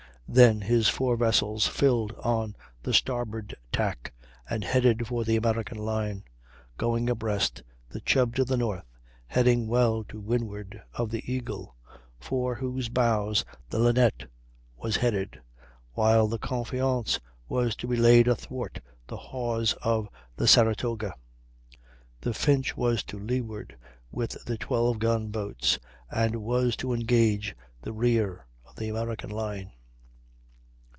Then his four vessels filled on the starboard tack and headed for the American line, going abreast, the Chubb to the north, heading well to windward of the Eagle, for whose bows the Linnet was headed, while the Confiance was to be laid athwart the hawse of the Saratoga; the Finch was to leeward with the twelve gun boats, and was to engage the rear of the American line.